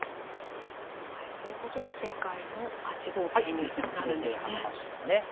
はいということで正解の８五桂になるんですね。